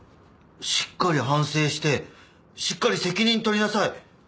しっかり反省してしっかり責任取りなさい。